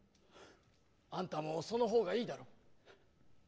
あんたも、その方がいいだろう。